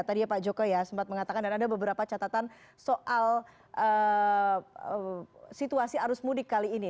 tadi ya pak joko ya sempat mengatakan dan ada beberapa catatan soal situasi arus mudik kali ini